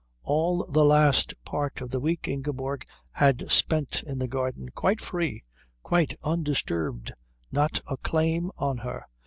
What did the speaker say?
All the last part of the week Ingeborg had spent in the garden, quite free, quite undisturbed, not a claim on her.